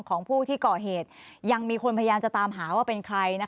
ของผู้ที่ก่อเหตุยังมีคนพยายามจะตามหาว่าเป็นใคร